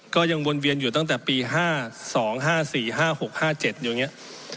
ก็ยังวนเวียนอยู่ตั้งแต่ปี๕๒๕๔๕๖๕๗อยู่อย่างนี้